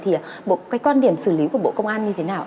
thì cái quan điểm xử lý của bộ công an như thế nào